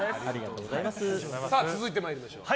続いて参りましょう。